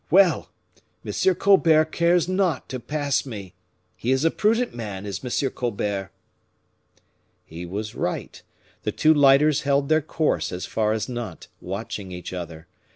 Well! M. Colbert takes care not to pass me. He is a prudent man is M. Colbert." He was right; the two lighters held their course as far as Nantes, watching each other.